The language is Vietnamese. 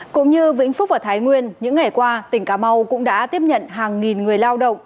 cũng như vĩnh phúc và thái nguyên những ngày qua tỉnh cà mau cũng đã tiếp nhận hàng nghìn người lao động